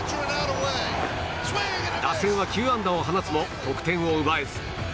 打線は９安打を放つも得点を奪えず。